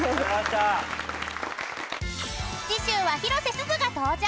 ［次週は広瀬すずが登場］